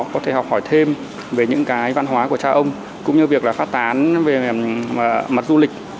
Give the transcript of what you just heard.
có thể học hỏi thêm về những cái văn hóa của cha ông cũng như việc là phát tán về mặt du lịch